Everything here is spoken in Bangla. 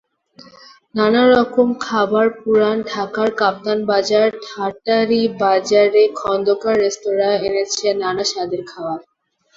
নানা রকম খাবারপুরান ঢাকার কাপ্তানবাজার, ঠাঁটারীবাজারে খন্দকার রেস্তোরাঁ এনেছে নানা স্বাদের খাবার।